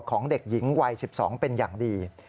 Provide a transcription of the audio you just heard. ของเด็กหญิงวัย๑๒เป็นอย่างดี